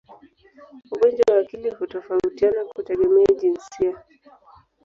Ugonjwa wa akili hutofautiana kutegemea jinsia.